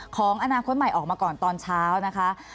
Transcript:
ของอนาคตใหม่ออกมาก่อนตอนเช้านะคะ